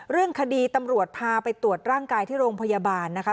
เรื่องคดีตำรวจพาไปตรวจร่างกายที่โรงพยาบาลนะคะ